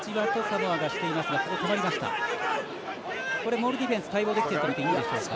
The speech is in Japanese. モールディフェンス対応できてると見ていいですか。